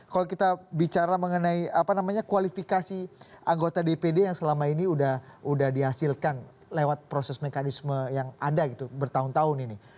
kalau kita bicara mengenai kualifikasi anggota dpd yang selama ini sudah dihasilkan lewat proses mekanisme yang ada gitu bertahun tahun ini